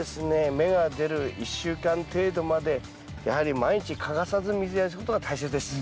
芽が出る１週間程度までやはり毎日欠かさず水やりすることが大切です。